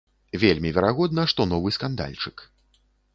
Вельмі верагодна, што новы скандальчык.